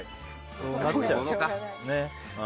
そうなっちゃうね。